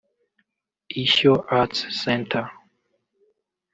Ishyo Arts Center